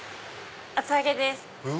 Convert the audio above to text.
厚揚げです。